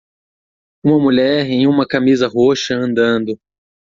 Uma mulher em uma camisa roxa andando.